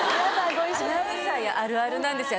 アナウンサーあるあるなんですよ